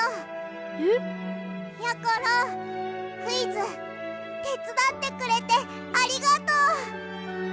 クイズてつだってくれてありがとう！